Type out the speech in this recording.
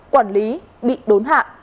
quản lý bị đốn hạ